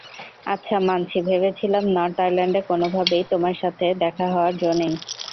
আচ্ছা, মানছি, ভেবেছিলাম নর্থ আইল্যান্ডে কোনোভাবেই তোমার সাথে দেখা হওয়ার জো নেই।